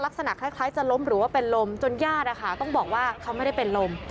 ลักษณะคล้ายจะล้มหรือว่าเป็นลมจนญาติต้องบอกว่าเขาไม่ได้เป็นลม